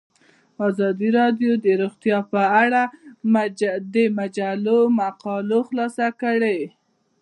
ازادي راډیو د روغتیا په اړه د مجلو مقالو خلاصه کړې.